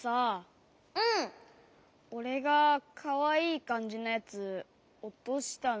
おれがかわいいかんじのやつおとしたのみたよね？